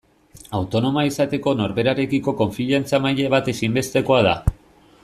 Autonomoa izateko norberarekiko konfiantza maila bat ezinbestekoa da.